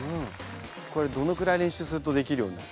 これどのくらい練習するとできるようになる？